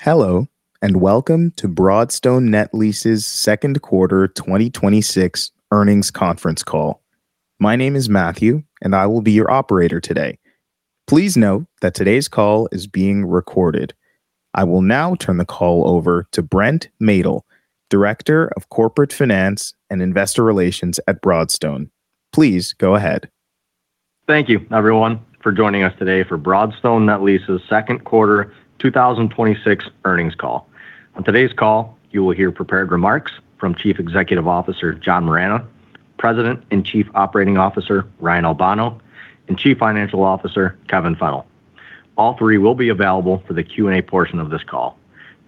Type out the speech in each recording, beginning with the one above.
Hello, and welcome to Broadstone Net Lease's second quarter 2026 earnings conference call. My name is Matthew, and I will be your operator today. Please note that today's call is being recorded. I will now turn the call over to Brent Maedl, Director of Corporate Finance and Investor Relations at Broadstone. Please go ahead. Thank you everyone for joining us today for Broadstone Net Lease's second quarter 2026 earnings call. On today's call, you will hear prepared remarks from Chief Executive Officer, John Moragne, President and Chief Operating Officer, Ryan Albano, and Chief Financial Officer, Kevin Fennell. All three will be available for the Q&A portion of this call.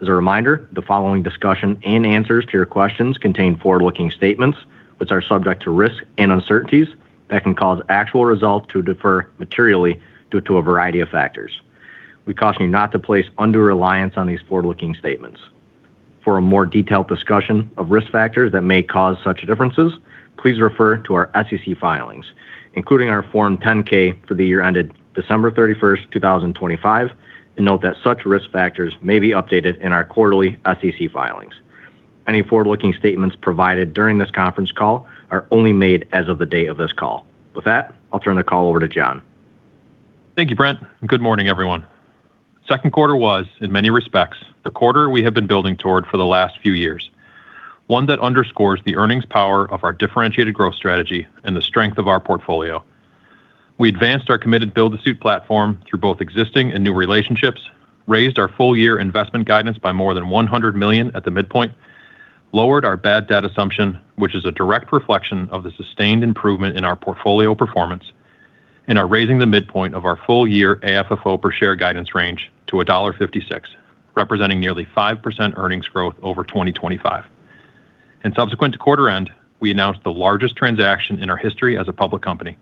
As a reminder, the following discussion and answers to your questions contain Forward-Looking statements which are subject to risks and uncertainties that can cause actual results to defer materially due to a variety of factors. We caution you not to place undue reliance on these Forward-Looking statements. For a more detailed discussion of risk factors that may cause such differences, please refer to our SEC filings, including our Form 10-K for the year ended December 31st, 2025, and note that such risk factors may be updated in our quarterly SEC filings. Any Forward-Looking statements provided during this conference call are only made as of the day of this call. With that, I'll turn the call over to John. Thank you, Brent, and good morning, everyone. Second quarter was, in many respects, the quarter we have been building toward for the last few years, one that underscores the earnings power of our differentiated growth strategy and the strength of our portfolio. We advanced our committed build-to-suit platform through both existing and new relationships, raised our full-year investment guidance by more than $100 million at the midpoint, lowered our bad debt assumption, which is a direct reflection of the sustained improvement in our portfolio performance, and are raising the midpoint of our full-year AFFO per share guidance range to $1.56, representing nearly 5% earnings growth over 2025. Subsequent to quarter end, we announced the largest transaction in our history as a public company.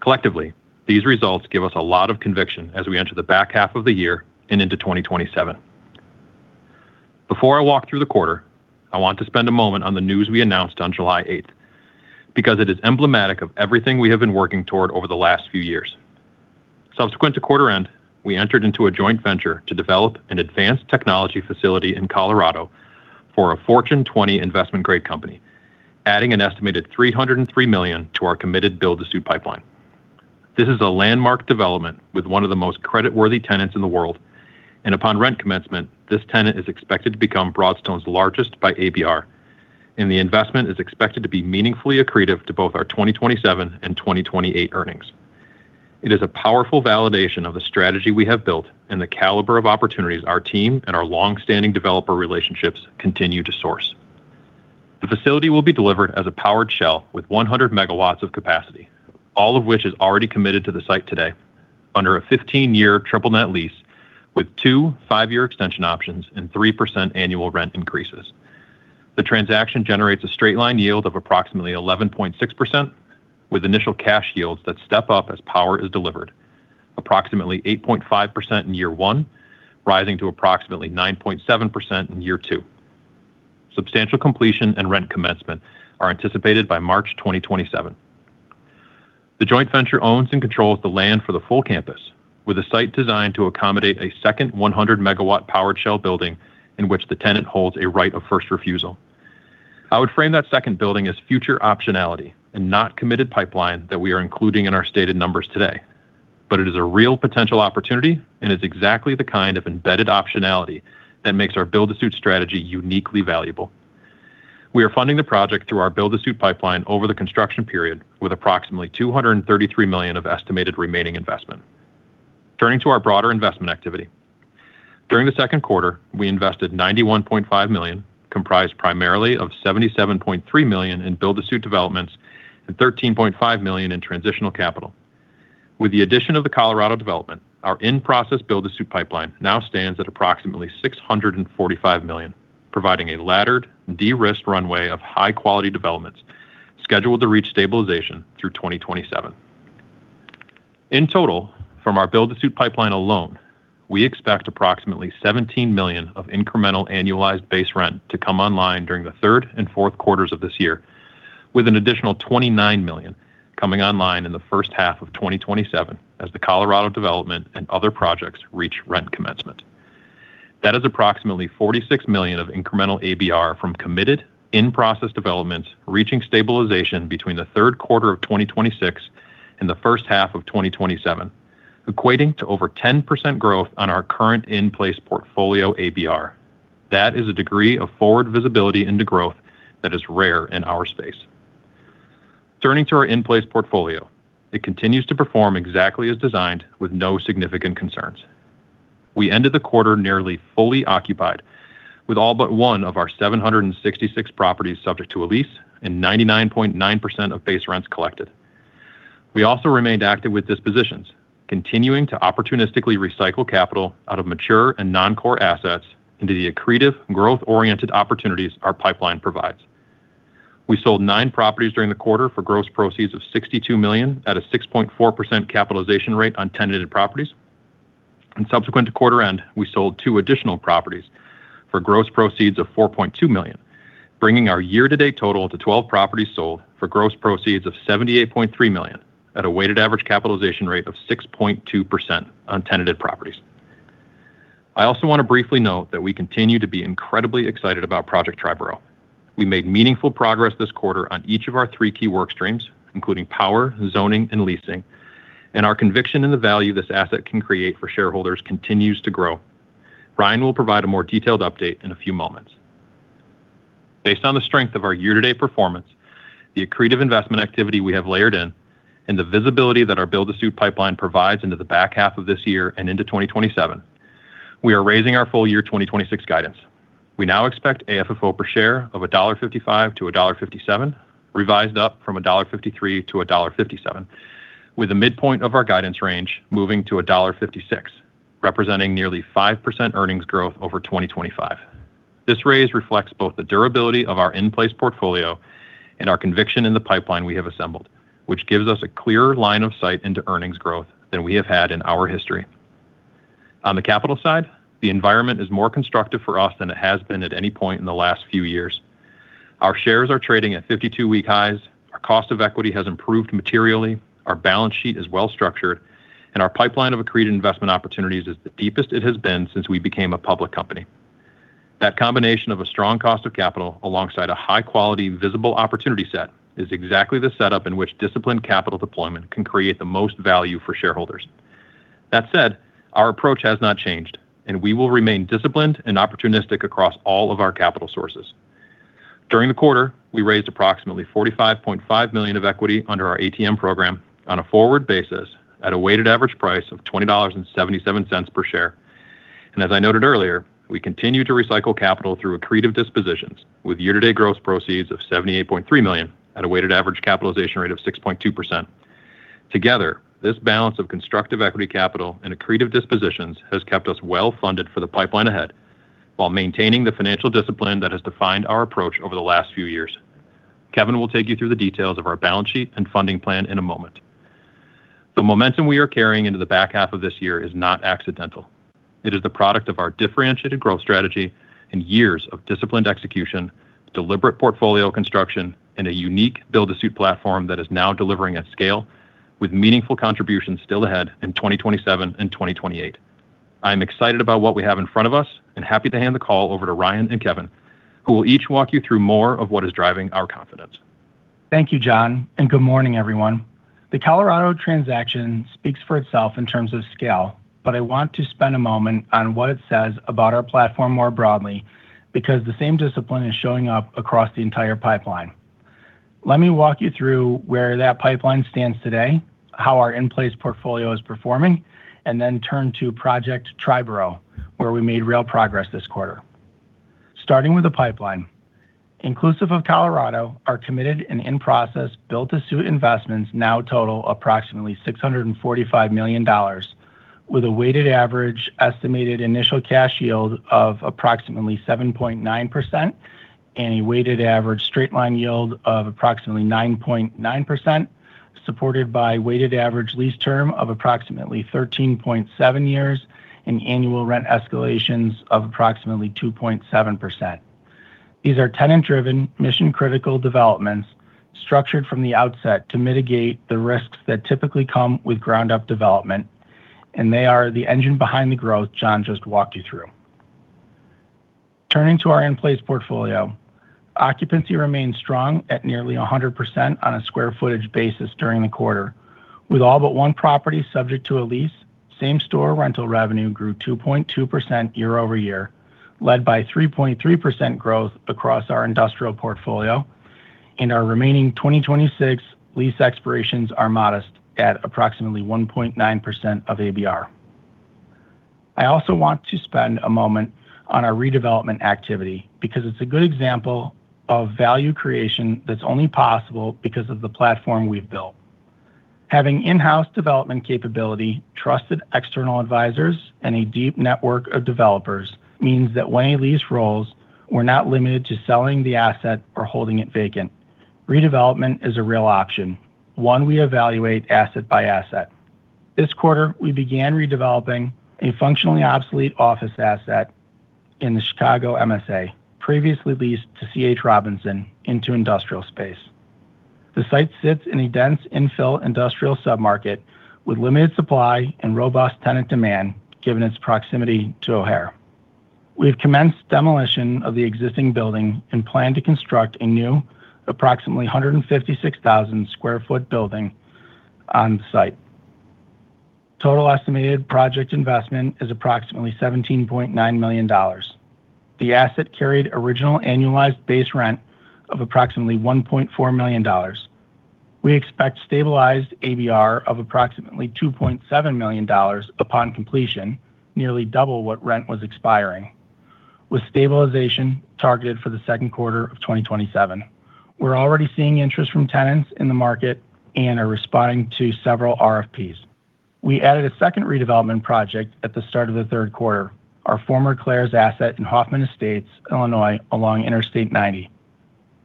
Collectively, these results give us a lot of conviction as we enter the back half of the year and into 2027. Before I walk through the quarter, I want to spend a moment on the news we announced on July 8th, because it is emblematic of everything we have been working toward over the last few years. Subsequent to quarter end, we entered into a joint venture to develop an advanced technology facility in Colorado for a Fortune 20 investment-grade company, adding an estimated $303 million to our committed build-to-suit pipeline. This is a landmark development with one of the most creditworthy tenants in the world, and upon rent commencement, this tenant is expected to become Broadstone's largest by ABR, and the investment is expected to be meaningfully accretive to both our 2027 and 2028 earnings. It is a powerful validation of the strategy we have built and the caliber of opportunities our team and our longstanding developer relationships continue to source. The facility will be delivered as a powered shell with 100 MW of capacity. All of which is already committed to the site today under a 15-year triple net lease with two five-year extension options and 3% annual rent increases. The transaction generates a straight line yield of approximately 11.6% with initial cash yields that step up as power is delivered. Approximately 8.5% in year one, rising to approximately 9.7% in year two. Substantial completion and rent commencement are anticipated by March 2027. The joint venture owns and controls the land for the full campus, with a site designed to accommodate a second 100 MW powered shell building in which the tenant holds a right of first refusal. I would frame that second building as future optionality and not committed pipeline that we are including in our stated numbers today. It is a real potential opportunity and is exactly the kind of embedded optionality that makes our build-to-suit strategy uniquely valuable. We are funding the project through our build-to-suit pipeline over the construction period, with approximately $233 million of estimated remaining investment. Turning to our broader investment activity. During the second quarter, we invested $91.5 million, comprised primarily of $77.3 million in build-to-suit developments and $13.5 million in transitional capital. With the addition of the Colorado development, our in-process build-to-suit pipeline now stands at approximately $645 million, providing a laddered, de-risked runway of high-quality developments scheduled to reach stabilization through 2027. In total, from our build-to-suit pipeline alone, we expect approximately $17 million of incremental annualized base rent to come online during the third and fourth quarters of this year, with an additional $29 million coming online in the first half of 2027 as the Colorado development and other projects reach rent commencement. That is approximately $46 million of incremental ABR from committed in-process developments reaching stabilization between the third quarter of 2026 and the first half of 2027, equating to over 10% growth on our current in-place portfolio ABR. That is a degree of forward visibility into growth that is rare in our space. Turning to our in-place portfolio. It continues to perform exactly as designed with no significant concerns. We ended the quarter nearly fully occupied with all but one of our 766 properties subject to a lease and 99.9% of base rents collected. We also remained active with dispositions, continuing to opportunistically recycle capital out of mature and non-core assets into the accretive growth-oriented opportunities our pipeline provides. We sold nine properties during the quarter for gross proceeds of $62 million at a 6.4% capitalization rate on tenanted properties. Subsequent to quarter end, we sold two additional properties for gross proceeds of $4.2 million, bringing our year-to-date total to 12 properties sold for gross proceeds of $78.3 million at a weighted average capitalization rate of 6.2% on tenanted properties. I also want to briefly note that we continue to be incredibly excited about Project Triborough. We made meaningful progress this quarter on each of our three key work streams, including power, zoning, and leasing, and our conviction in the value this asset can create for shareholders continues to grow. Ryan will provide a more detailed update in a few moments. Based on the strength of our year-to-date performance, the accretive investment activity we have layered in, and the visibility that our build-to-suit pipeline provides into the back half of this year and into 2027, we are raising our full-year 2026 guidance. We now expect AFFO per share of $1.55-$1.57, revised up from $1.53-$1.57, with a midpoint of our guidance range moving to $1.56, representing nearly 5% earnings growth over 2025. This raise reflects both the durability of our in-place portfolio and our conviction in the pipeline we have assembled, which gives us a clearer line of sight into earnings growth than we have had in our history. On the capital side, the environment is more constructive for us than it has been at any point in the last few years. Our shares are trading at 52-week highs. Our cost of equity has improved materially. Our balance sheet is well-structured. Our pipeline of accretive investment opportunities is the deepest it has been since we became a public company. That combination of a strong cost of capital alongside a high-quality, visible opportunity set is exactly the setup in which disciplined capital deployment can create the most value for shareholders. That said, our approach has not changed, and we will remain disciplined and opportunistic across all of our capital sources. During the quarter, we raised approximately $45.5 million of equity under our ATM program on a forward basis at a weighted average price of $20.77 per share. As I noted earlier, we continue to recycle capital through accretive dispositions with year-to-date gross proceeds of $78.3 million at a weighted average capitalization rate of 6.2%. Together, this balance of constructive equity capital and accretive dispositions has kept us well funded for the pipeline ahead while maintaining the financial discipline that has defined our approach over the last few years. Kevin will take you through the details of our balance sheet and funding plan in a moment. The momentum we are carrying into the back half of this year is not accidental. It is the product of our differentiated growth strategy and years of disciplined execution, deliberate portfolio construction, and a unique build-to-suit platform that is now delivering at scale with meaningful contributions still ahead in 2027 and 2028. I'm excited about what we have in front of us and happy to hand the call over to Ryan and Kevin, who will each walk you through more of what is driving our confidence. Thank you, John, and good morning, everyone. The Colorado transaction speaks for itself in terms of scale. I want to spend a moment on what it says about our platform more broadly. The same discipline is showing up across the entire pipeline. Let me walk you through where that pipeline stands today, how our in-place portfolio is performing. Turn to Project Triborough, where we made real progress this quarter. Starting with the pipeline. Inclusive of Colorado, our committed and in-process build-to-suit investments now total approximately $645 million, with a weighted average estimated initial cash yield of approximately 7.9% and a weighted average straight line yield of approximately 9.9%, supported by weighted average lease term of approximately 13.7 years and annual rent escalations of approximately 2.7%. These are tenant-driven, mission-critical developments structured from the outset to mitigate the risks that typically come with ground-up development. They are the engine behind the growth John just walked you through. Turning to our in-place portfolio. Occupancy remains strong at nearly 100% on a square footage basis during the quarter, with all but one property subject to a lease. Same-store rental revenue grew 2.2% year-over-year, led by 3.3% growth across our industrial portfolio. Our remaining 2026 lease expirations are modest at approximately 1.9% of ABR. I also want to spend a moment on our redevelopment activity. It's a good example of value creation that's only possible because of the platform we've built. Having in-house development capability, trusted external advisors, and a deep network of developers means that when a lease rolls, we're not limited to selling the asset or holding it vacant. Redevelopment is a real option, one we evaluate asset by asset. This quarter, we began redeveloping a functionally obsolete office asset in the Chicago MSA, previously leased to C.H. Robinson, into industrial space. The site sits in a dense infill industrial submarket with limited supply and robust tenant demand, given its proximity to O'Hare. We have commenced demolition of the existing building and plan to construct a new, approximately 156,000 sq ft building on the site. Total estimated project investment is approximately $17.9 million. The asset carried original annualized base rent of approximately $1.4 million. We expect stabilized ABR of approximately $2.7 million upon completion, nearly double what rent was expiring, with stabilization targeted for the second quarter of 2027. We're already seeing interest from tenants in the market and are responding to several RFPs. We added a second redevelopment project at the start of the third quarter, our former Claire's asset in Hoffman Estates, Illinois, along Interstate 90.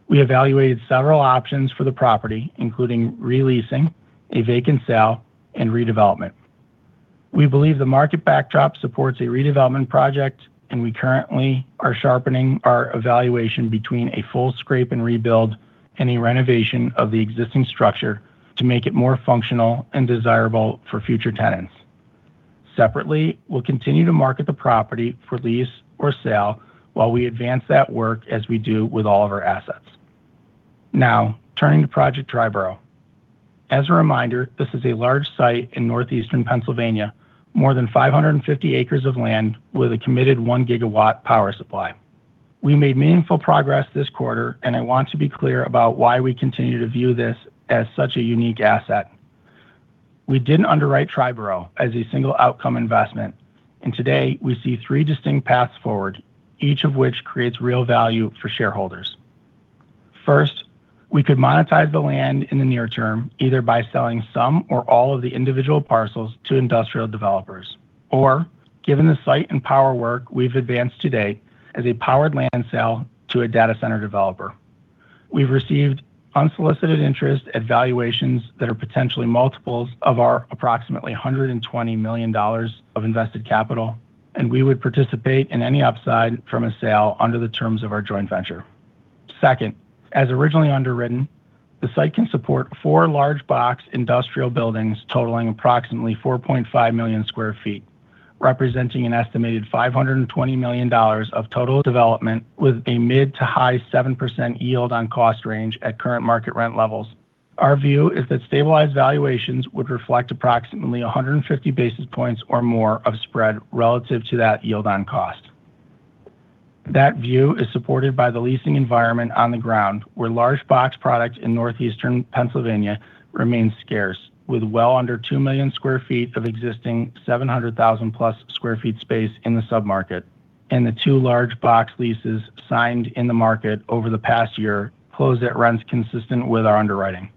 We evaluated several options for the property, including re-leasing, a vacant sale, and redevelopment. We believe the market backdrop supports a redevelopment project, and we currently are sharpening our evaluation between a full scrape and rebuild and a renovation of the existing structure to make it more functional and desirable for future tenants. Separately, we'll continue to market the property for lease or sale while we advance that work as we do with all of our assets. Turning to Project Triborough. As a reminder, this is a large site in northeastern Pennsylvania, more than 550 acres of land with a committed one gigawatt power supply. We made meaningful progress this quarter. I want to be clear about why we continue to view this as such a unique asset. We didn't underwrite Triborough as a single outcome investment, today we see three distinct paths forward, each of which creates real value for shareholders. First, we could monetize the land in the near term, either by selling some or all of the individual parcels to industrial developers. Given the site and power work we've advanced to date as a powered land sale to a data center developer. We've received unsolicited interest at valuations that are potentially multiples of our approximately $120 million of invested capital, and we would participate in any upside from a sale under the terms of our joint venture. Second, as originally underwritten, the site can support four large box industrial buildings totaling approximately 4.5 million sq ft, representing an estimated $520 million of total development with a mid to high 7% yield on cost range at current market rent levels. Our view is that stabilized valuations would reflect approximately 150 basis points or more of spread relative to that yield on cost. That view is supported by the leasing environment on the ground where large box product in northeastern Pennsylvania remains scarce, with well under 2 million sq ft of existing 700,000+ sq ft space in the sub-market. The two large box leases signed in the market over the past year closed at rents consistent with our underwriting.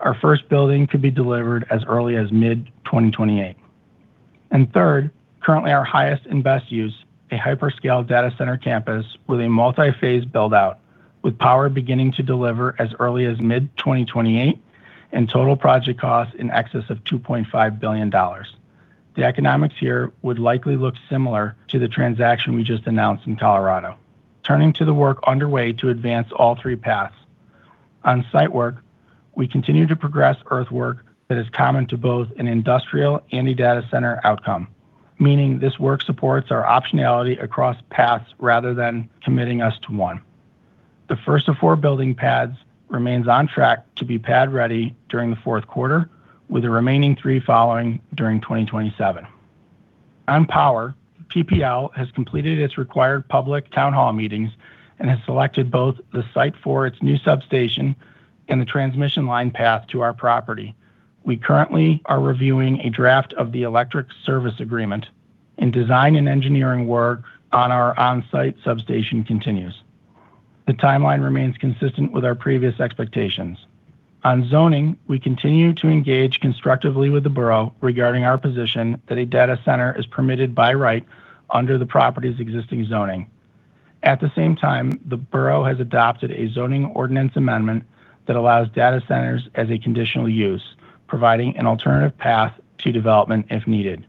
Our first building could be delivered as early as mid-2028. Third, currently our highest and best use, a hyperscale data center campus with a multi-phase build out, with power beginning to deliver as early as mid-2028 and total project costs in excess of $2.5 billion. The economics here would likely look similar to the transaction we just announced in Colorado. Turning to the work underway to advance all three paths. On site work, we continue to progress earthwork that is common to both an industrial and a data center outcome, meaning this work supports our optionality across paths rather than committing us to one. The first of four building pads remains on track to be pad-ready during the fourth quarter, with the remaining three following during 2027. On power, PPL has completed its required public town hall meetings and has selected both the site for its new substation and the transmission line path to our property. We currently are reviewing a draft of the electric service agreement, and design and engineering work on our onsite substation continues. The timeline remains consistent with our previous expectations. On zoning, we continue to engage constructively with the Borough regarding our position that a data center is permitted by right under the property's existing zoning. At the same time, the Borough has adopted a zoning ordinance amendment that allows data centers as a conditional use, providing an alternative path to development if needed.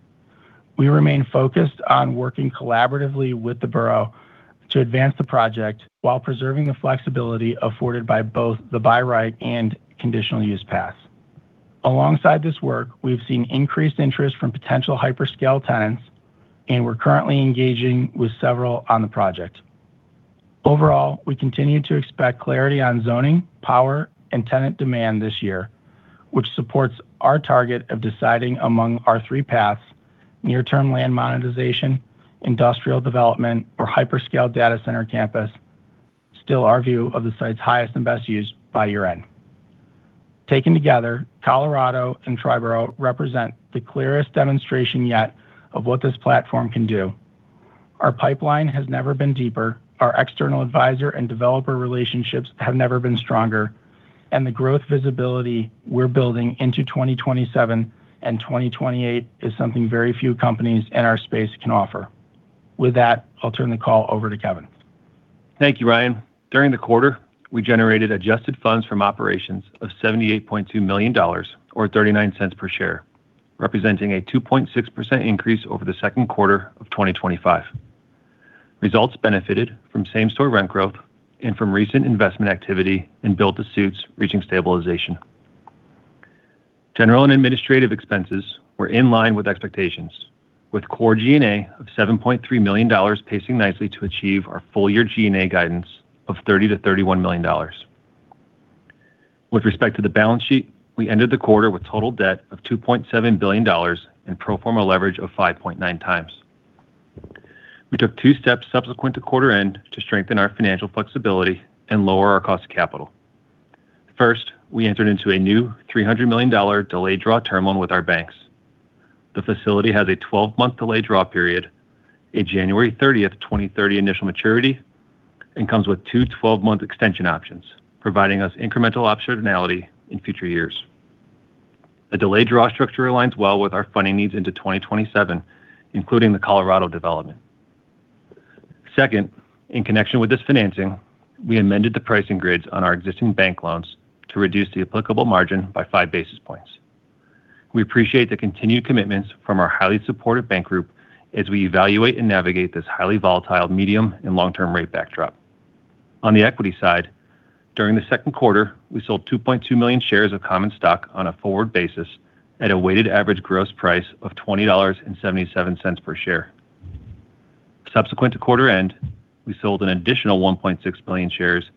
We remain focused on working collaboratively with the Borough to advance the project while preserving the flexibility afforded by both the by right and conditional use paths. Alongside this work, we've seen increased interest from potential hyperscale tenants, and we're currently engaging with several on the project. Overall, we continue to expect clarity on zoning, power, and tenant demand this year, which supports our target of deciding among our three paths, near-term land monetization, industrial development, or hyperscale data center campus. Still our view of the site's highest and best use by year end. Taken together, Colorado and Triborough represent the clearest demonstration yet of what this platform can do. Our pipeline has never been deeper, our external advisor and developer relationships have never been stronger. The growth visibility we're building into 2027 and 2028 is something very few companies in our space can offer. With that, I'll turn the call over to Kevin. Thank you, Ryan. During the quarter, we generated adjusted funds from operations of $78.2 million, or $0.39 per share, representing a 2.6% increase over the second quarter of 2025. Results benefited from same-store rent growth and from recent investment activity in build-to-suits reaching stabilization. General and administrative expenses were in line with expectations, with core G&A of $7.3 million pacing nicely to achieve our full-year G&A guidance of $30 million-$31 million. With respect to the balance sheet, we ended the quarter with total debt of $2.7 billion and pro forma leverage of 5.9 times. We took two steps subsequent to quarter end to strengthen our financial flexibility and lower our cost of capital. First, we entered into a new $300 million delayed draw term loan with our banks. The facility has a 12-month delayed draw period, a January 30th, 2030 initial maturity, and comes with two 12-month extension options, providing us incremental optionality in future years. A delayed draw structure aligns well with our funding needs into 2027, including the Colorado development. Second, in connection with this financing, we amended the pricing grids on our existing bank loans to reduce the applicable margin by five basis points. We appreciate the continued commitments from our highly supportive bank group as we evaluate and navigate this highly volatile medium and long-term rate backdrop. On the equity side, during the second quarter, we sold 2.2 million shares of common stock on a forward basis at a weighted average gross price of $20.77 per share. Subsequent to quarter end, we sold an additional 1.6 million shares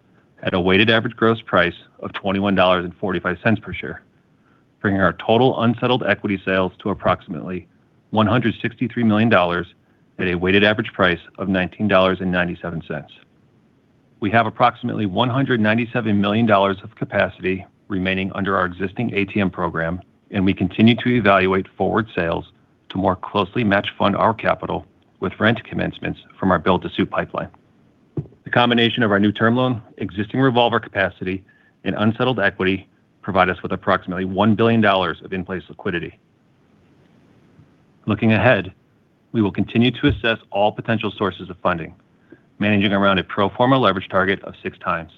at a weighted average gross price of $21.45 per share, bringing our total unsettled equity sales to approximately $163 million at a weighted average price of $19.97. We have approximately $197 million of capacity remaining under our existing ATM program, and we continue to evaluate forward sales to more closely match fund our capital with rent commencements from our build-to-suit pipeline. The combination of our new term loan, existing revolver capacity, and unsettled equity provide us with approximately $1 billion of in-place liquidity. Looking ahead, we will continue to assess all potential sources of funding, managing around a pro forma leverage target of six times,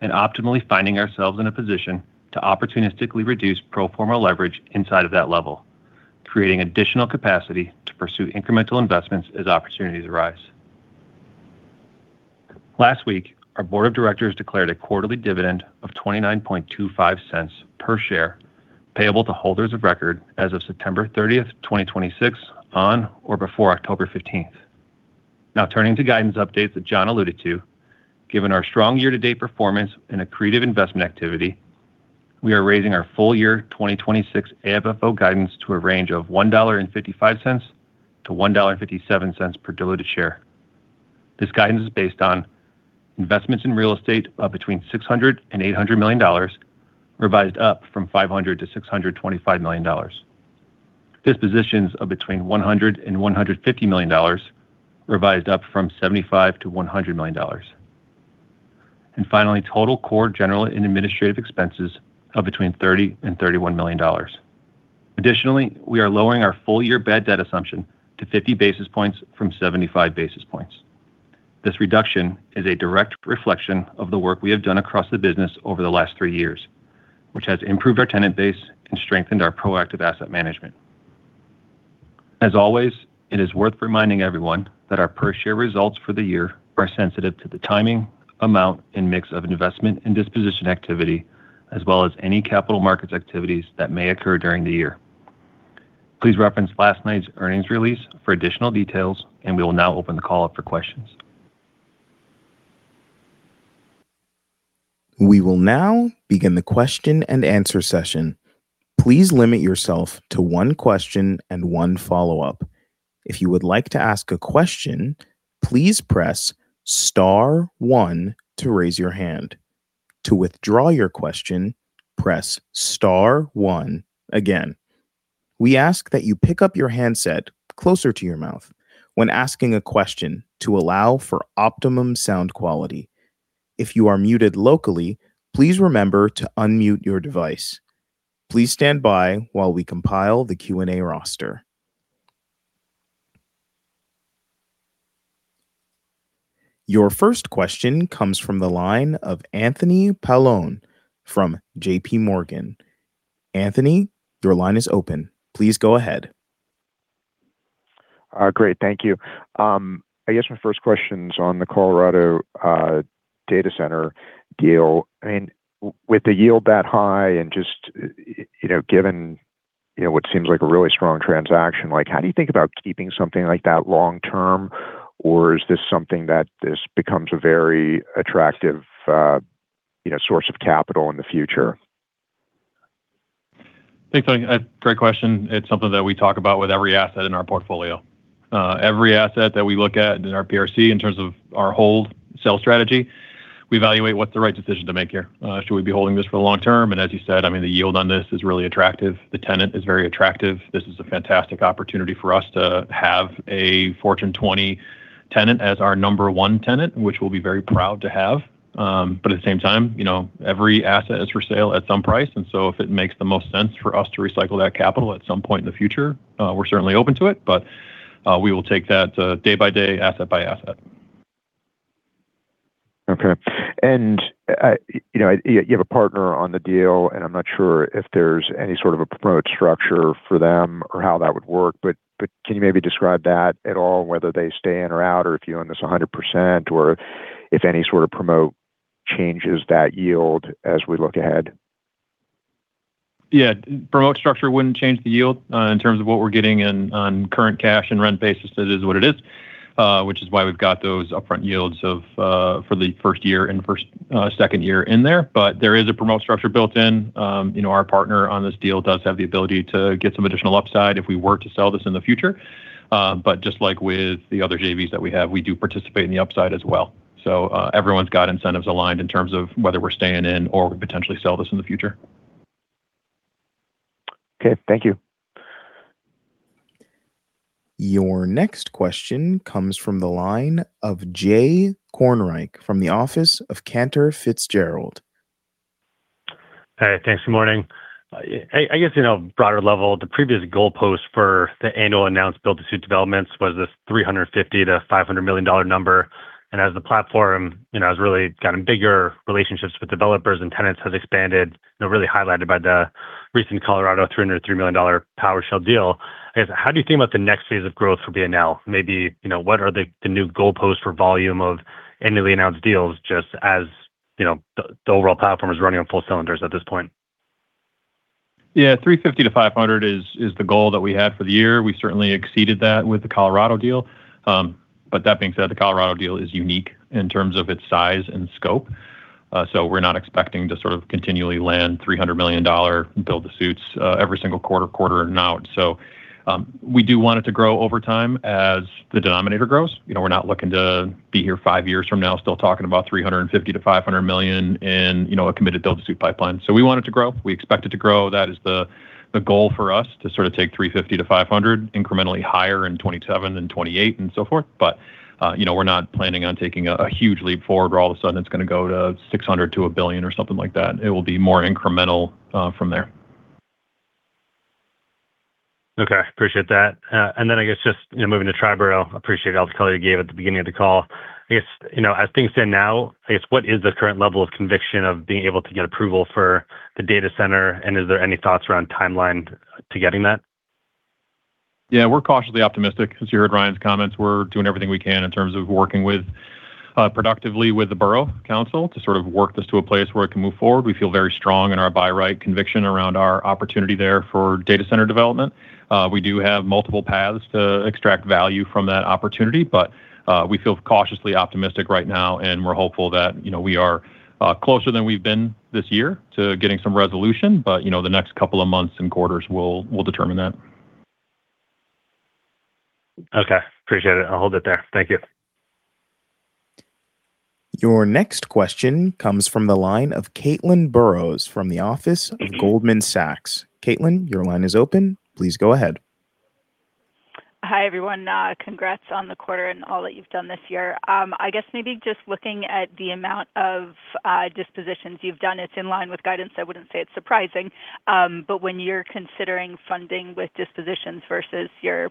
and optimally finding ourselves in a position to opportunistically reduce pro forma leverage inside of that level, creating additional capacity to pursue incremental investments as opportunities arise. Last week, our board of directors declared a quarterly dividend of $0.2925 per share, payable to holders of record as of September 30th, 2026, on or before October 15th. Turning to guidance updates that John alluded to, given our strong year-to-date performance and accretive investment activity, we are raising our full-year 2026 AFFO guidance to a range of $1.55-$1.57 per diluted share. This guidance is based on investments in real estate of between $600 million and $800 million, revised up from $500 million-$625 million. Dispositions of between $100 million and $150 million, revised up from $75 million-$100 million. Finally, total core general and administrative expenses of between $30 million and $31 million. Additionally, we are lowering our full-year bad debt assumption to 50 basis points from 75 basis points. This reduction is a direct reflection of the work we have done across the business over the last three years, which has improved our tenant base and strengthened our proactive asset management. As always, it is worth reminding everyone that our per share results for the year are sensitive to the timing, amount, and mix of investment and disposition activity, as well as any capital markets activities that may occur during the year. Please reference last night's earnings release for additional details. We will now open the call up for questions. We will now begin the question-and-answer session. Please limit yourself to one question and one follow-up. If you would like to ask a question, please press star one to raise your hand. To withdraw your question, press star one again. We ask that you pick up your handset closer to your mouth when asking a question to allow for optimum sound quality. If you are muted locally, please remember to unmute your device. Please stand by while we compile the Q&A roster. Your first question comes from the line of Anthony Paolone from JPMorgan. Anthony, your line is open. Please go ahead. Great. Thank you. I guess my first question is on the Colorado data center deal, with the yield that high and just given what seems like a really strong transaction, how do you think about keeping something like that long term, or is this something that this becomes a very attractive source of capital in the future? Thanks, Tony. Great question. It's something that we talk about with every asset in our portfolio. Every asset that we look at in our PRC in terms of our hold, sell strategy, we evaluate what's the right decision to make here. Should we be holding this for the long term? As you said, the yield on this is really attractive. The tenant is very attractive. This is a fantastic opportunity for us to have a Fortune 20 tenant as our number one tenant, which we'll be very proud to have. At the same time, every asset is for sale at some price, if it makes the most sense for us to recycle that capital at some point in the future, we're certainly open to it. We will take that day by day, asset by asset. Okay. You have a partner on the deal, I'm not sure if there's any sort of a promote structure for them or how that would work, can you maybe describe that at all, whether they stay in or out, or if you own this 100%, or if any sort of promote changes that yield as we look ahead? Yeah. Promote structure wouldn't change the yield in terms of what we're getting in on current cash and rent basis. It is what it is, which is why we've got those upfront yields for the first year and second year in there. There is a promote structure built in. Our partner on this deal does have the ability to get some additional upside if we were to sell this in the future. Just like with the other JVs that we have, we do participate in the upside as well. Everyone's got incentives aligned in terms of whether we're staying in or we potentially sell this in the future. Okay. Thank you. Your next question comes from the line of Jay Kornreich from the office of Cantor Fitzgerald. Hey, thanks. Good morning. I guess, broader level, the previous goalpost for the annual announced build-to-suit developments was this $350 million-$500 million number. As the platform has really gotten bigger, relationships with developers and tenants has expanded, really highlighted by the recent Colorado $303 million powered shell deal. I guess, how do you think about the next phase of growth for BNL? Maybe, what are the new goalposts for volume of annually announced deals, just as the overall platform is running on full cylinders at this point? Yeah, $350 million-$500 million is the goal that we had for the year. We certainly exceeded that with the Colorado deal. That being said, the Colorado deal is unique in terms of its size and scope. We're not expecting to sort of continually land $300 million build-to-suits every single quarter in and out. We do want it to grow over time as the denominator grows. We're not looking to be here five years from now, still talking about $350 million-$500 million in a committed build-to-suit pipeline. We want it to grow. We expect it to grow. That is the goal for us, to sort of take $350 million-$500 million incrementally higher in 2027 and 2028 and so forth. We're not planning on taking a huge leap forward, where all of a sudden it's going to go to 600 to a billion or something like that. It will be more incremental from there. Okay. Appreciate that. I guess just, moving to Triborough. Appreciate all the color you gave at the beginning of the call. I guess, as things stand now, I guess, what is the current level of conviction of being able to get approval for the data center, and is there any thoughts around timeline to getting that? Yeah, we're cautiously optimistic. As you heard Ryan's comments, we're doing everything we can in terms of working productively with the Borough Council to sort of work this to a place where it can move forward. We feel very strong in our buy right conviction around our opportunity there for data center development. We feel cautiously optimistic right now, and we're hopeful that we are closer than we've been this year to getting some resolution. The next couple of months and quarters will determine that. Okay. Appreciate it. I'll hold it there. Thank you. Your next question comes from the line of Caitlin Burrows from the office of Goldman Sachs. Caitlin, your line is open. Please go ahead. Hi, everyone. Congrats on the quarter and all that you've done this year. I guess maybe just looking at the amount of dispositions you've done, it's in line with guidance. I wouldn't say it's surprising. When you're considering funding with dispositions versus your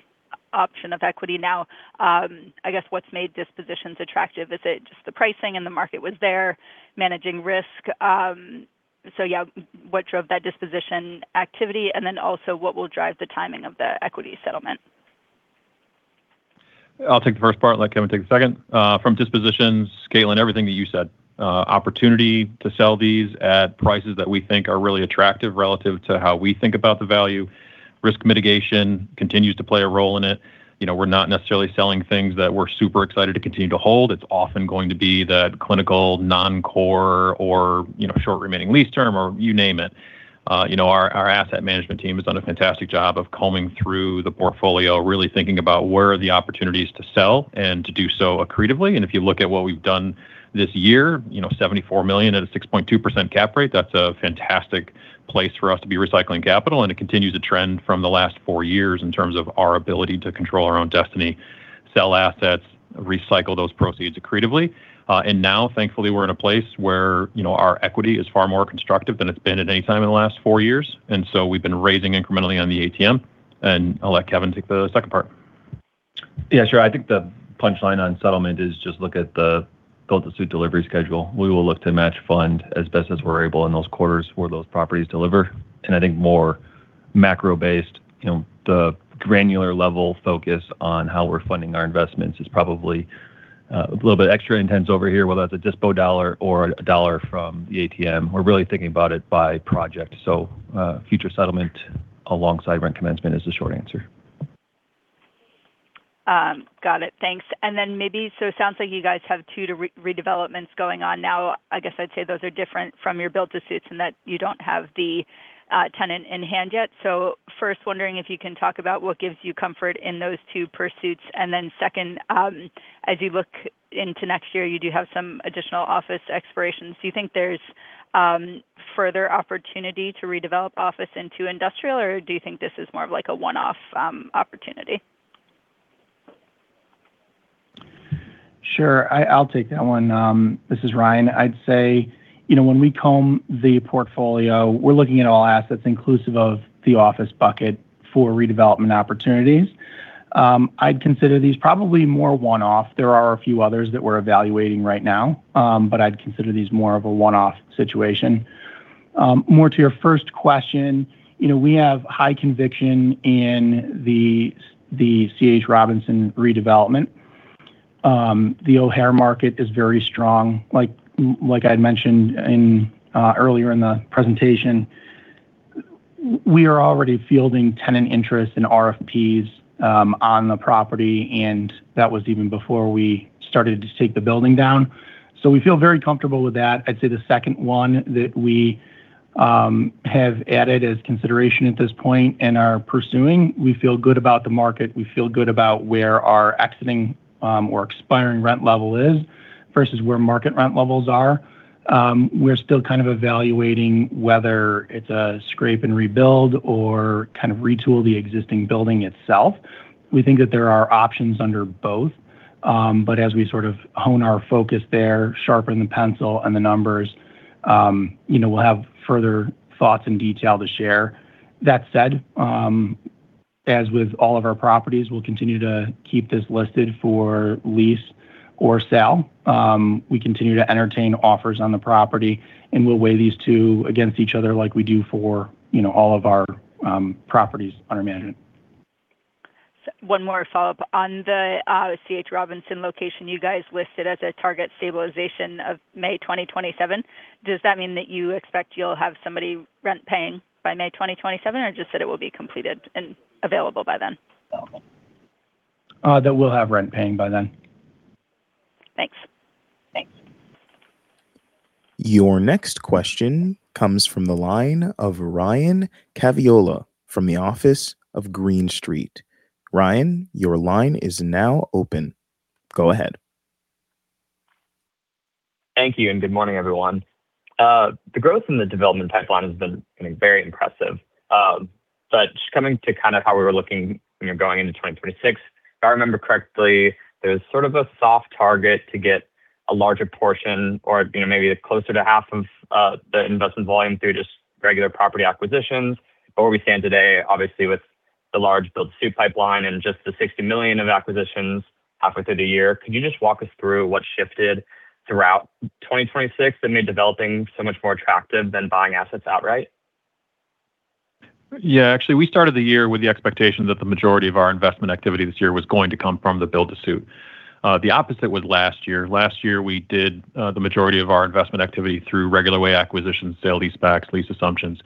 option of equity now, I guess what's made dispositions attractive? Is it just the pricing and the market was there, managing risk? Yeah, what drove that disposition activity, and then also what will drive the timing of the equity settlement? I'll take the first part and let Kevin take the second. From dispositions, Caitlin, everything that you said. Opportunity to sell these at prices that we think are really attractive relative to how we think about the value. Risk mitigation continues to play a role in it. We're not necessarily selling things that we're super excited to continue to hold. It's often going to be the clinical non-core or short remaining lease term, or you name it. Our asset management team has done a fantastic job of combing through the portfolio, really thinking about where are the opportunities to sell and to do so accretively. If you look at what we've done this year, $74 million at a 6.2% cap rate, that's a fantastic place for us to be recycling capital. It continues a trend from the last four years in terms of our ability to control our own destiny, sell assets, recycle those proceeds accretively. Now, thankfully, we're in a place where our equity is far more constructive than it's been at any time in the last four years. We've been raising incrementally on the ATM. I'll let Kevin take the second part. Yeah, sure. I think the punchline on settlement is just look at the build-to-suit delivery schedule. We will look to match fund as best as we're able in those quarters where those properties deliver. I think more macro based, the granular level focus on how we're funding our investments is probably a little bit extra intense over here, whether that's a dispo dollar or a dollar from the ATM. We're really thinking about it by project. Future settlement alongside rent commencement is the short answer. Got it. Thanks. It sounds like you guys have two redevelopments going on now. I guess I'd say those are different from your build-to-suits in that you don't have the tenant in hand yet. First, wondering if you can talk about what gives you comfort in those two pursuits. Second, as you look into next year, you do have some additional office expirations. Do you think there's further opportunity to redevelop office into industrial, or do you think this is more of like a one-off opportunity? Sure. I'll take that one. This is Ryan. I'd say, when we comb the portfolio, we're looking at all assets inclusive of the office bucket for redevelopment opportunities. I'd consider these probably more one-off. There are a few others that we're evaluating right now. I'd consider these more of a one-off situation. More to your first question, we have high conviction in the C.H. Robinson redevelopment. The O'Hare market is very strong. Like I'd mentioned earlier in the presentation, we are already fielding tenant interest and RFP on the property, and that was even before we started to take the building down. We feel very comfortable with that. I'd say the second one that we have added as consideration at this point and are pursuing. We feel good about the market. We feel good about where our exiting or expiring rent level is versus where market rent levels are. We're still kind of evaluating whether it's a scrape and rebuild or kind of retool the existing building itself. We think that there are options under both. As we sort of hone our focus there, sharpen the pencil and the numbers, we'll have further thoughts and detail to share. That said, as with all of our properties, we'll continue to keep this listed for lease or sale. We continue to entertain offers on the property, and we'll weigh these two against each other like we do for all of our properties under management. One more follow-up. On the C.H. Robinson location you guys listed as a target stabilization of May 2027, does that mean that you expect you'll have somebody rent paying by May 2027, or just that it will be completed and available by then? That we'll have rent paying by then. Thanks. Your next question comes from the line of Ryan Caviola from the office of Green Street. Ryan, your line is now open. Go ahead. Thank you. Good morning, everyone. The growth in the development pipeline has been very impressive. Just coming to kind of how we were looking when you're going into 2026, if I remember correctly, there's sort of a soft target to get a larger portion or maybe closer to half of the investment volume through just regular property acquisitions. Where we stand today, obviously with the large build-to-suit pipeline and just the $60 million of acquisitions halfway through the year, could you just walk us through what shifted throughout 2026 that made developing so much more attractive than buying assets outright? Yeah. Actually, we started the year with the expectation that the majority of our investment activity this year was going to come from the build-to-suit. The opposite was last year. Last year, we did the majority of our investment activity through regular way acquisitions, sale leasebacks, lease assumptions.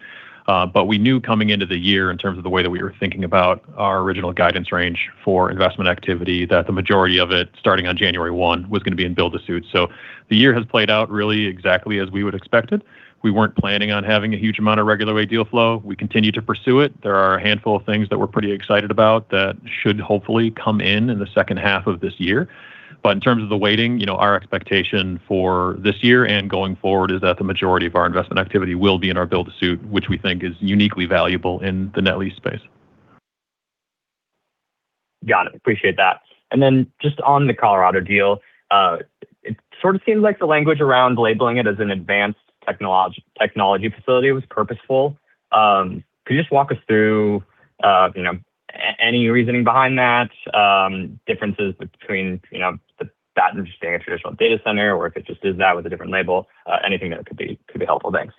We knew coming into the year in terms of the way that we were thinking about our original guidance range for investment activity, that the majority of it, starting on January 1, was going to be in build-to-suit. The year has played out really exactly as we would expect it. We weren't planning on having a huge amount of regular way deal flow. We continue to pursue it. There are a handful of things that we're pretty excited about that should hopefully come in in the second half of this year. In terms of the weighting, our expectation for this year and going forward is that the majority of our investment activity will be in our build-to-suit, which we think is uniquely valuable in the net lease space. Got it. Appreciate that. Then just on the Colorado deal, it sort of seems like the language around labeling it as an advanced technology facility was purposeful. Could you just walk us through any reasoning behind that, differences between that and just being a traditional data center, or if it just is that with a different label? Anything there could be helpful. Thanks.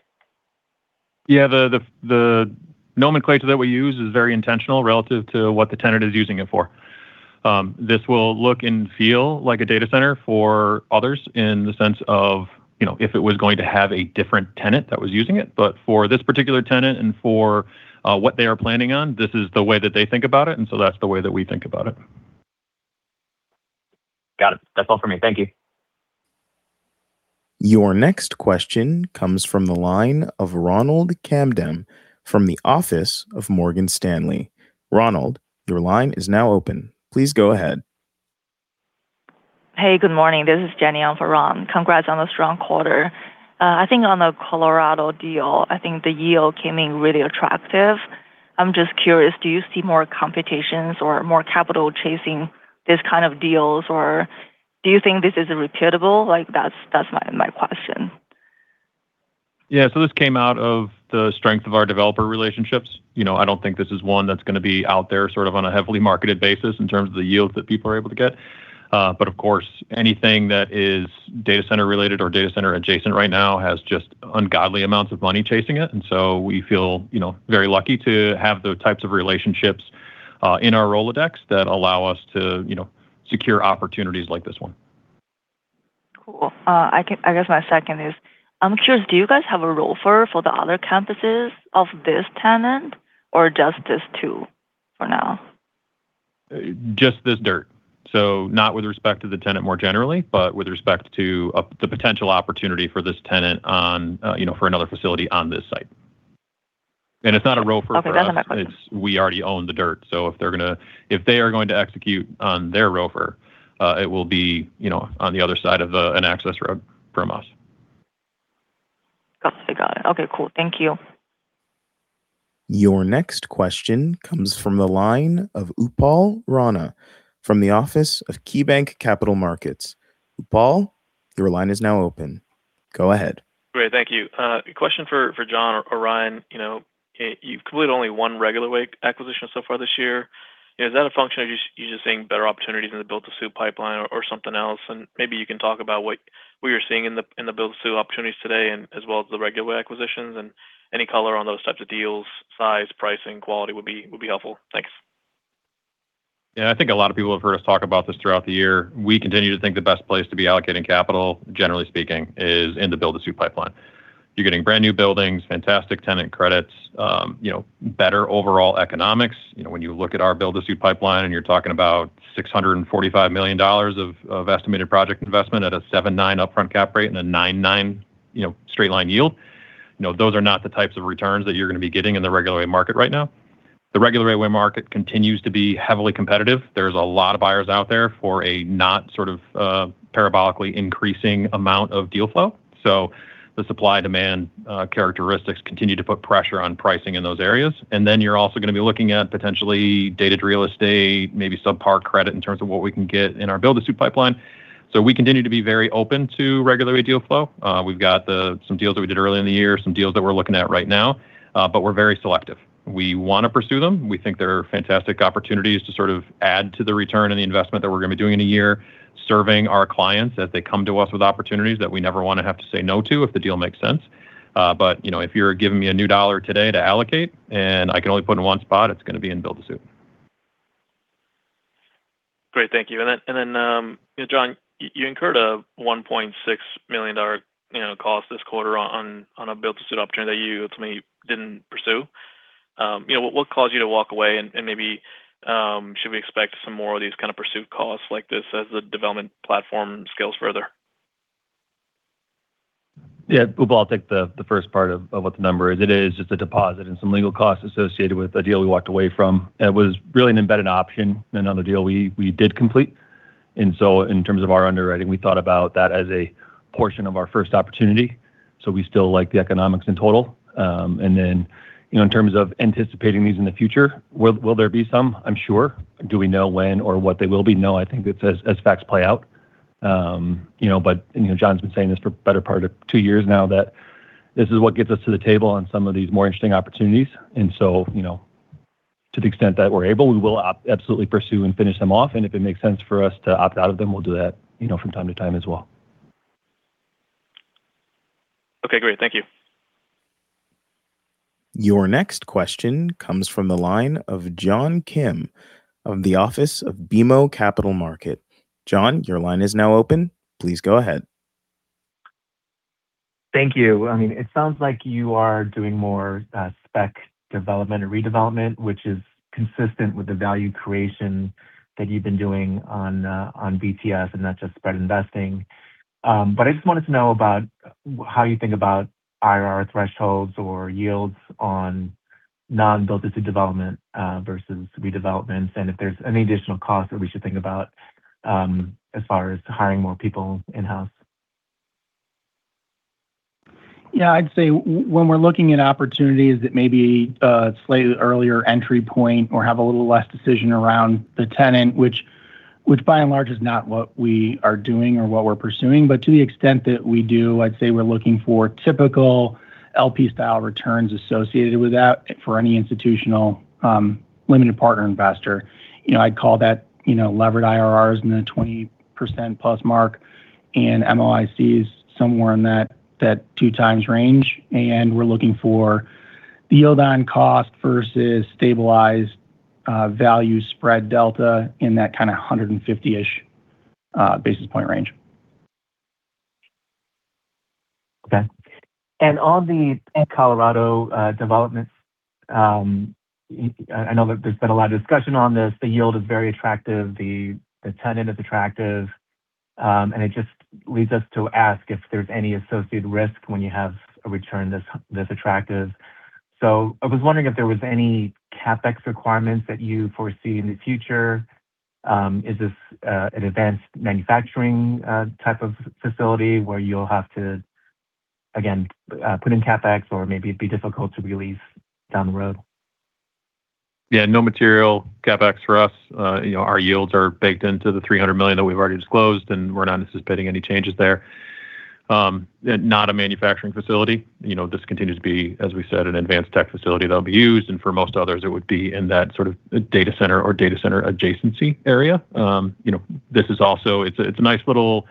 Yeah. The nomenclature that we use is very intentional relative to what the tenant is using it for. This will look and feel like a data center for others in the sense of if it was going to have a different tenant that was using it. For this particular tenant and for what they are planning on, this is the way that they think about it, that's the way that we think about it. Got it. That's all for me. Thank you. Your next question comes from the line of Ronald Kamdem from the office of Morgan Stanley. Ronald, your line is now open. Please go ahead. Hey, good morning. This is Jenny on for Ron. Congrats on the strong quarter. I think on the Colorado deal, I think the yield came in really attractive. I'm just curious, do you see more competitions or more capital chasing these kind of deals, or do you think this is repeatable? That's my question. Yeah. This came out of the strength of our developer relationships. I don't think this is one that's going to be out there sort of on a heavily marketed basis in terms of the yield that people are able to get. Of course, anything that is data center related or data center adjacent right now has just ungodly amounts of money chasing it. We feel very lucky to have the types of relationships in our Rolodex that allow us to secure opportunities like this one. Cool. I guess my second is, I'm curious, do you guys have a ROFR for the other campuses of this tenant or just this two for now? Not with respect to the tenant more generally, but with respect to the potential opportunity for this tenant for another facility on this site. It's not a ROFR for us. Okay. That's my question. We already own the dirt, so if they are going to execute on their ROFR, it will be on the other side of an access road from us. Copy. Got it. Okay, cool. Thank you. Your next question comes from the line of Upal Rana from the office of KeyBanc Capital Markets. Upal, your line is now open. Go ahead. Great. Thank you. A question for John or Ryan. You've completed only one regular way acquisition so far this year. Is that a function of you just seeing better opportunities in the build-to-suit pipeline or something else? Maybe you can talk about what you're seeing in the build-to-suit opportunities today and as well as the regular acquisitions, and any color on those types of deals, size, pricing, quality would be helpful. Thanks. Yeah. I think a lot of people have heard us talk about this throughout the year. We continue to think the best place to be allocating capital, generally speaking, is in the build-to-suit pipeline. You're getting brand new buildings, fantastic tenant credits, better overall economics. When you look at our build-to-suit pipeline, you're talking about $645 million of estimated project investment at a 7.9 upfront cap rate and a 9.9 straight line yield, those are not the types of returns that you're going to be getting in the regular way market right now. The regular way market continues to be heavily competitive. There's a lot of buyers out there for a not parabolically increasing amount of deal flow. The supply-demand characteristics continue to put pressure on pricing in those areas. You're also going to be looking at potentially dated real estate, maybe subpar credit in terms of what we can get in our build-to-suit pipeline. We continue to be very open to regulatory deal flow. We've got some deals that we did earlier in the year, some deals that we're looking at right now. We're very selective. We want to pursue them. We think they're fantastic opportunities to add to the return and the investment that we're going to be doing in a year, serving our clients as they come to us with opportunities that we never want to have to say no to if the deal makes sense. If you're giving me a new dollar today to allocate and I can only put it in one spot, it's going to be in build-to-suit. Great. Thank you. John, you incurred a $1.6 million cost this quarter on a build-to-suit opportunity that you ultimately didn't pursue. What caused you to walk away, and maybe should we expect some more of these kind of pursuit costs like this as the development platform scales further? Yeah. I'll take the first part of what the number is. It is just a deposit and some legal costs associated with a deal we walked away from. It was really an embedded option in another deal we did complete. In terms of our underwriting, we thought about that as a portion of our first opportunity. We still like the economics in total. In terms of anticipating these in the future, will there be some? I'm sure. Do we know when or what they will be? No, I think that's as facts play out. John's been saying this for the better part of two years now, that this is what gets us to the table on some of these more interesting opportunities. To the extent that we're able, we will absolutely pursue and finish them off, and if it makes sense for us to opt out of them, we'll do that from time to time as well. Okay, great. Thank you. Your next question comes from the line of John Kim of the office of BMO Capital Markets. John, your line is now open. Please go ahead. Thank you. It sounds like you are doing more spec development and redevelopment, which is consistent with the value creation that you've been doing on BTS and not just spread investing. I just wanted to know about how you think about IRR thresholds or yields on non-build-to-suit development versus redevelopments, and if there's any additional cost that we should think about as far as hiring more people in-house. Yeah, I'd say when we're looking at opportunities that may be a slightly earlier entry point or have a little less decision around the tenant, which by and large is not what we are doing or what we're pursuing. To the extent that we do, I'd say we're looking for typical LP-style returns associated with that for any institutional limited partner investor. I'd call that levered IRRs in the 20%+ mark and MOIC somewhere in that two times range. We're looking for yield on cost versus stabilized value spread delta in that 150-ish basis point range. Okay. On the Colorado development, I know that there's been a lot of discussion on this. The yield is very attractive. The tenant is attractive. It just leads us to ask if there's any associated risk when you have a return this attractive. I was wondering if there was any CapEx requirements that you foresee in the future. Is this an advanced manufacturing type of facility where you'll have to, again, put in CapEx or maybe it'd be difficult to re-lease down the road? Yeah. No material CapEx for us. Our yields are baked into the $300 million that we've already disclosed. We're not anticipating any changes there. Not a manufacturing facility. This continues to be, as we said, an advanced tech facility that'll be used. For most others, it would be in that sort of data center or data center adjacency area. This is also a nice little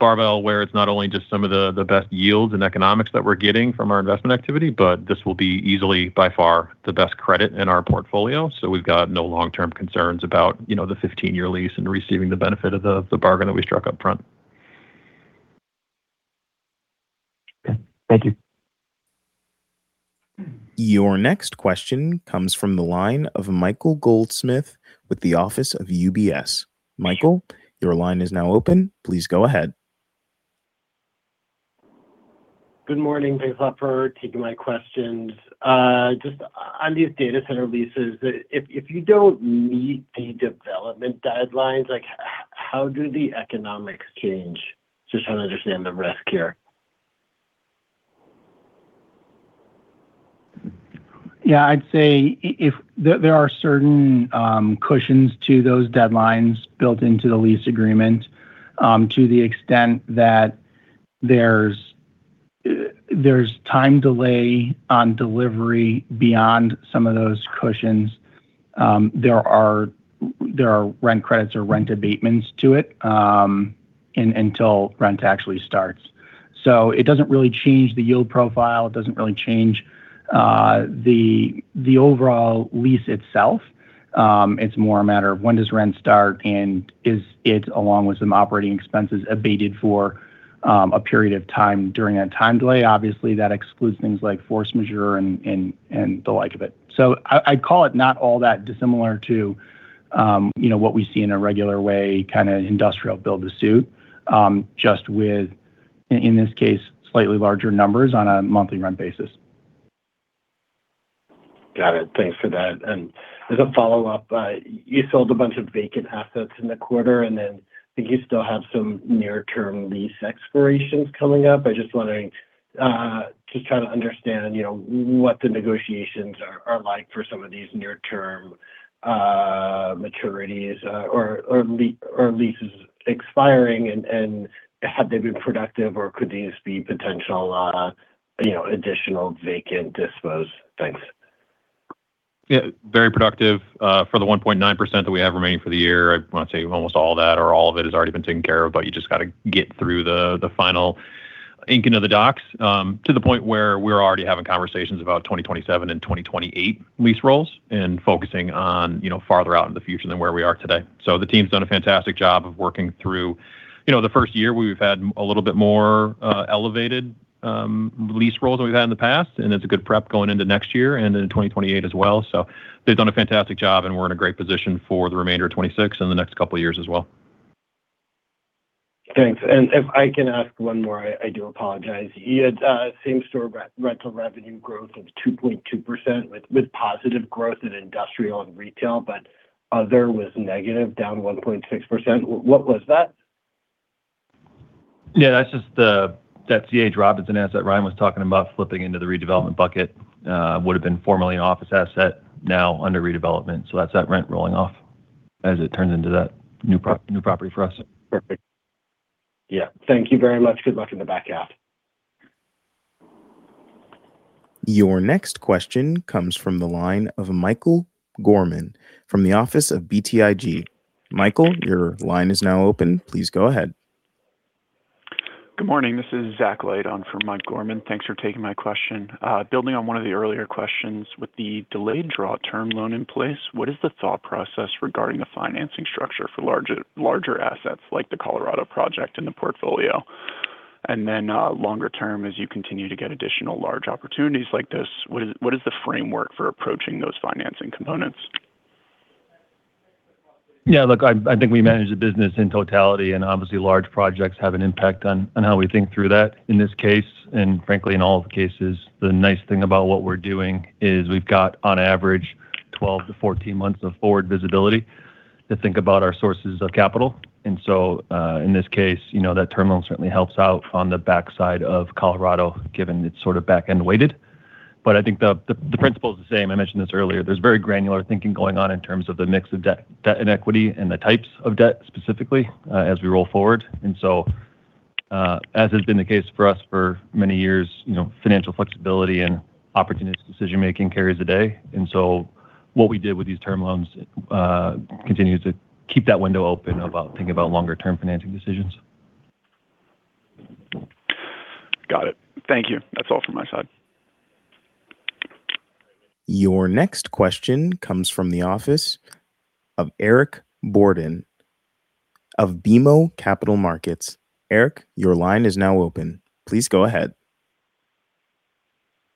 barbell where it's not only just some of the best yields and economics that we're getting from our investment activity, but this will be easily, by far, the best credit in our portfolio. We've got no long-term concerns about the 15-year lease and receiving the benefit of the bargain that we struck up front. Okay. Thank you. Your next question comes from the line of Michael Goldsmith with the office of UBS. Michael, your line is now open. Please go ahead. Good morning. Thanks a lot for taking my questions. Just on these data center leases, if you don't meet the development deadlines, how do the economics change? Just trying to understand the risk here. Yeah. I'd say there are certain cushions to those deadlines built into the lease agreement, to the extent that there's time delay on delivery beyond some of those cushions. There are rent credits or rent abatements to it until rent actually starts. It doesn't really change the yield profile. It doesn't really change the overall lease itself. It's more a matter of when does rent start and is it, along with some operating expenses, abated for a period of time during that time delay? Obviously, that excludes things like force majeure and the like of it. I'd call it not all that dissimilar to what we see in a regular way kind of industrial build-to-suit, just with In this case, slightly larger numbers on a monthly rent basis. Got it. Thanks for that. As a follow-up, you sold a bunch of vacant assets in the quarter, I think you still have some near-term lease expirations coming up. I'm just wondering, just trying to understand, what the negotiations are like for some of these near-term maturities or leases expiring, and have they been productive or could these be potential additional vacant dispo's? Thanks. Yeah. Very productive. For the 1.9% that we have remaining for the year, I want to say almost all that or all of it has already been taken care of, you just got to get through the final inking of the docs, to the point where we're already having conversations about 2027 and 2028 lease rolls, and focusing on farther out in the future than where we are today. The team's done a fantastic job of working through. The first year, we've had a little bit more elevated lease rolls than we've had in the past, and it's a good prep going into next year and into 2028 as well. They've done a fantastic job, and we're in a great position for the remainder of 2026 and the next couple of years as well. Thanks. If I can ask one more, I do apologize. You had same-store rental revenue growth of 2.2% with positive growth in industrial and retail, but other was negative, down 1.6%. What was that? Yeah, that's just that C.H. Robinson asset Ryan was talking about flipping into the redevelopment bucket. Would've been formerly an office asset, now under redevelopment, so that's that rent rolling off as it turns into that new property for us. Perfect. Yeah. Thank you very much. Good luck in the back half. Your next question comes from the line of Michael Gorman from the office of BTIG. Michael, your line is now open. Please go ahead. Good morning. This is Zach Light on for Michael Gorman. Thanks for taking my question. Building on one of the earlier questions, with the delayed draw term loan in place, what is the thought process regarding the financing structure for larger assets like the Colorado project and the portfolio? Longer term, as you continue to get additional large opportunities like this, what is the framework for approaching those financing components? Yeah, look, I think we manage the business in totality, obviously large projects have an impact on how we think through that in this case, frankly, in all the cases. The nice thing about what we're doing is we've got, on average, 12-14 months of forward visibility to think about our sources of capital. In this case, that term loan certainly helps out on the backside of Colorado, given it's sort of back-end weighted. I think the principle's the same. I mentioned this earlier. There's very granular thinking going on in terms of the mix of debt and equity, the types of debt specifically, as we roll forward. As has been the case for us for many years, financial flexibility and opportunistic decision making carries the day. What we did with these term loans continues to keep that window open about thinking about longer term financing decisions. Got it. Thank you. That's all from my side. Your next question comes from the office of Eric Borden of BMO Capital Markets. Eric, your line is now open. Please go ahead.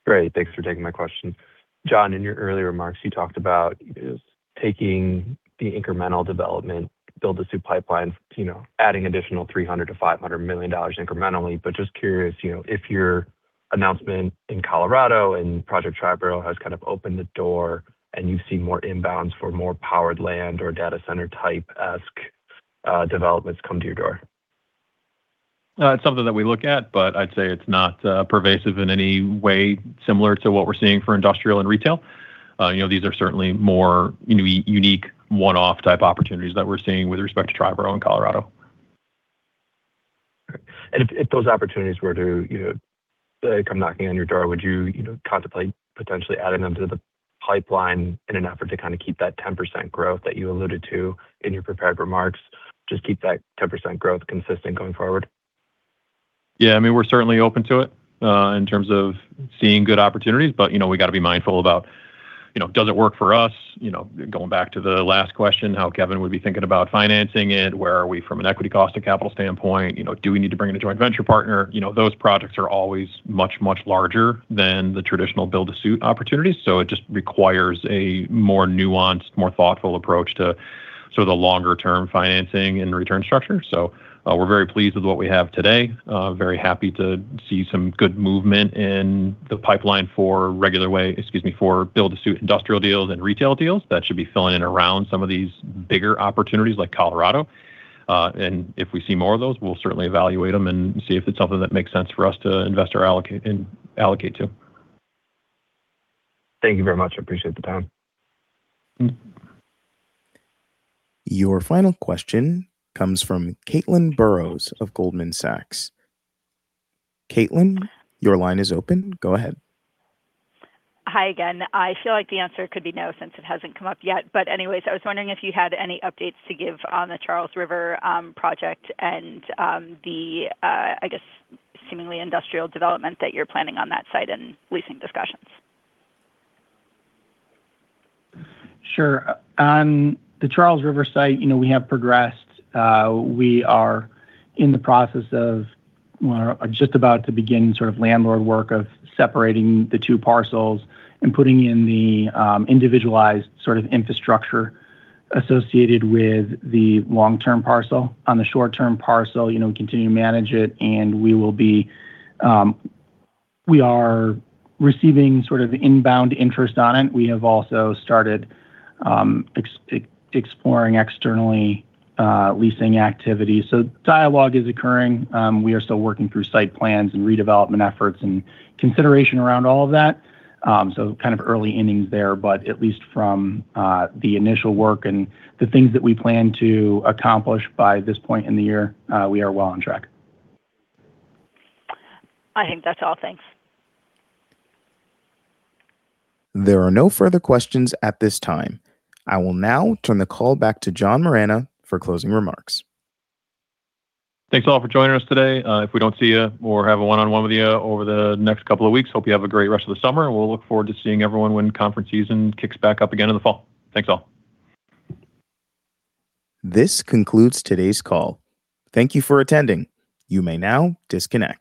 Great. Thanks for taking my question. John, in your earlier remarks, you talked about taking the incremental development, build-to-suit pipeline, adding additional $300 million-$500 million incrementally. Just curious, if your announcement in Colorado and Project Triborough has kind of opened the door and you see more inbounds for more powered land or data center type-esque developments come to your door. It's something that we look at, I'd say it's not pervasive in any way similar to what we're seeing for industrial and retail. These are certainly more unique one-off type opportunities that we're seeing with respect to Triborough in Colorado. If those opportunities were to come knocking on your door, would you contemplate potentially adding them to the pipeline in an effort to kind of keep that 10% growth that you alluded to in your prepared remarks, just keep that 10% growth consistent going forward? We're certainly open to it, in terms of seeing good opportunities. We got to be mindful about does it work for us? Going back to the last question, how Kevin would be thinking about financing it. Where are we from an equity cost to capital standpoint? Do we need to bring in a joint venture partner? Those projects are always much, much larger than the traditional build-to-suit opportunities. It just requires a more nuanced, more thoughtful approach to sort of the longer-term financing and return structure. We're very pleased with what we have today. Very happy to see some good movement in the pipeline for regular way Excuse me, for build-to-suit industrial deals and retail deals. That should be filling in around some of these bigger opportunities like Colorado. If we see more of those, we'll certainly evaluate them and see if it's something that makes sense for us to invest or allocate to. Thank you very much. I appreciate the time. Your final question comes from Caitlin Burrows of Goldman Sachs. Caitlin, your line is open. Go ahead. Hi again. I feel like the answer could be no, since it hasn't come up yet. Anyways, I was wondering if you had any updates to give on the Charles River project and the, I guess, seemingly industrial development that you're planning on that site and leasing discussions. Sure. On the Charles River site, we have progressed. We are in the process of, or just about to begin sort of landlord work of separating the two parcels and putting in the individualized sort of infrastructure associated with the long-term parcel. On the short-term parcel, we continue to manage it, and we are receiving sort of inbound interest on it. We have also started exploring externally leasing activities. Dialogue is occurring. We are still working through site plans and redevelopment efforts and consideration around all of that. Kind of early innings there, but at least from the initial work and the things that we plan to accomplish by this point in the year, we are well on track. I think that's all. Thanks. There are no further questions at this time. I will now turn the call back to John Moragne for closing remarks. Thanks, all, for joining us today. If we don't see you or have a one-on-one with you over the next couple of weeks, hope you have a great rest of the summer, and we'll look forward to seeing everyone when conference season kicks back up again in the fall. Thanks, all. This concludes today's call. Thank you for attending. You may now disconnect.